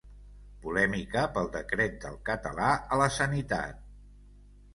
Polèmica pel decret del català a la sanitat.